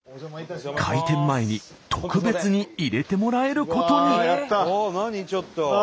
開店前に特別に入れてもらえることに。